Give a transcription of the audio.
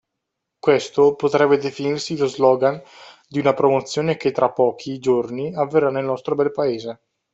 Questo potrebbe definirsi lo slogan di una promozione che tra pochi giorni avverrà nel nostro bel paese.